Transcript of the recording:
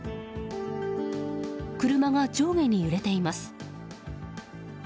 車が上下に揺れています。